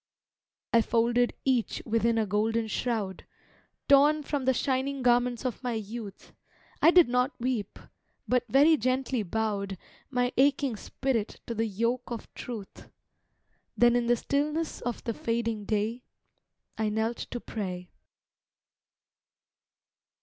I folded each within a golden shroud, Torn from the shining garments of my youth, I did not weep, but very gently bowed My aching spirit to the yoke of truth, Then in the stillness of the fading day I knelt to pray.